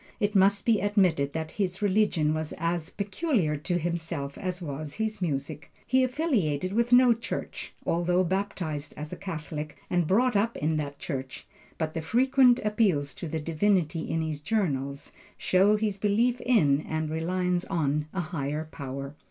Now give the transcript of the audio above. It must be admitted that his religion was as peculiar to himself as was his music. He affiliated with no church, although baptized as a Catholic, and brought up in that church; but the frequent appeals to the Divinity in his journals, show his belief in, and reliance on, a higher power.